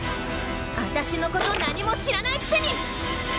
私のこと何も知らないくせに！